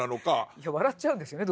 いや笑っちゃうんですよね。